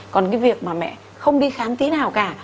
còn cái việc mà mẹ không đi khám tí nào cả